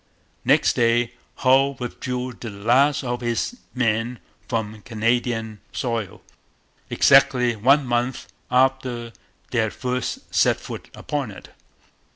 Next day Hull withdrew the last of his men from Canadian soil, exactly one month after they had first set foot upon it.